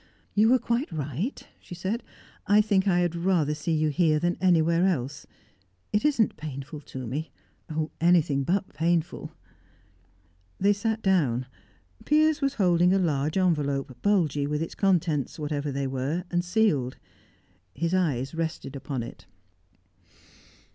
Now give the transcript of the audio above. "You were quite right," she said. "I think I had rather see you here than anywhere else. It isn't painful to me oh! anything but painful!" They sat down. Piers was holding a large envelope, bulgy with its contents, whatever they were, and sealed; his eyes rested upon it.